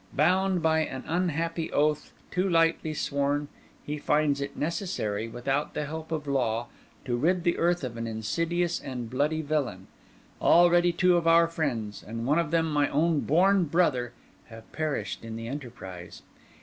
Bound by an unhappy oath, too lightly sworn, he finds it necessary, without the help of law, to rid the earth of an insidious and bloody villain. Already two of our friends, and one of them my own born brother, have perished in the enterprise.